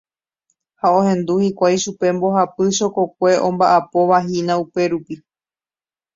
Ha ohendu hikuái chupe mbohapy chokokue omba'apovahína upérupi.